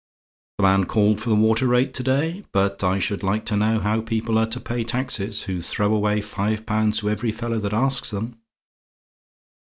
"The man called for the water rate to day; but I should like to know how people are to pay taxes, who throw away five pounds to every fellow that asks them?